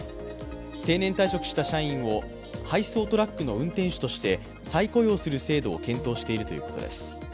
定年退職した社員を配送トラックの運転手として再雇用する制度を検討しているということです。